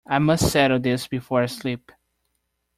I must settle this before I sleep.